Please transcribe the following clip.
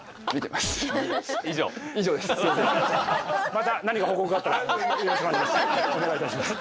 また何か報告があったらお願いします。